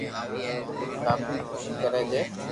ناچين خوسي ڪري جي